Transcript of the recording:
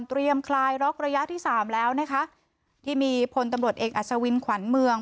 คลายล็อกระยะที่สามแล้วนะคะที่มีพลตำรวจเอกอัศวินขวัญเมือง